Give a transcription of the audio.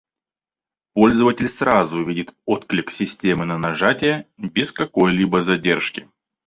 Пользователь сразу видит отклик системы на нажатие без какой-либо задержки